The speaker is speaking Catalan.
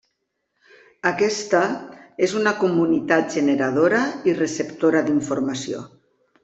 Aquesta és una comunitat generadora i receptora d’informació.